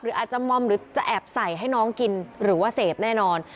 อาจจะมอมหรือจะแอบใส่ให้น้องกินหรือว่าเสพแน่นอน